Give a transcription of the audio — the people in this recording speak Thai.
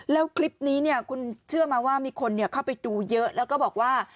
แล้วคลิปนี้เนี่ยคุณเชื่อไหมว่ามีคนเข้าไปดูเยอะแล้วก็บอกว่า